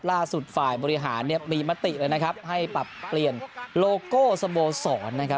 ล่าสุดฝ่ายบริหารมีมาติเลยนะครับให้ปรับเปลี่ยนโลโก้สโมสร